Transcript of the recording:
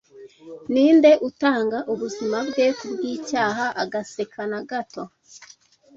Ninde utanga ubuzima bwe kubwicyaha, agaseka na gato?